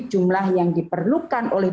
jumlah yang diperlukan oleh